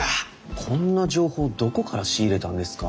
こんな情報どこから仕入れたんですか？